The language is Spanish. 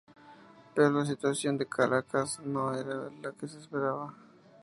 Pero la situación en Caracas no era lo que se esperaba.